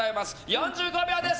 ４５秒です。